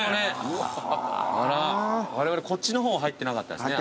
あらっわれわれこっちの方入ってなかったですね。